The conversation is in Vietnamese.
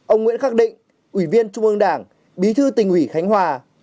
ông nguyễn khắc định ủy viên trung ương đảng bí thư tỉnh ủy khánh hòa